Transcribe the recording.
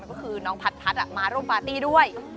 ก็คือน้องพัดมาร่วมปาร์ตี้ด้วย